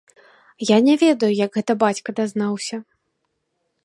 Я не ведаю, як гэта бацька дазнаўся.